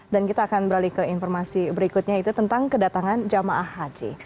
dan kita akan beralih ke informasi berikutnya itu tentang kedatangan jamaah haji